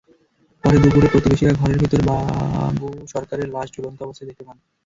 পরে দুপুরে প্রতিবেশীরা ঘরের ভেতরে বাবু সরকারের লাশ ঝুলন্ত অবস্থায় দেখতে পান।